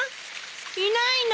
いないの？